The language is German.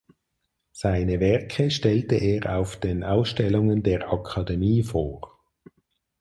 Seine Werke stellte er auf den Ausstellungen der Akademie vor.